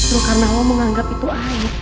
lu karena lo menganggap itu aja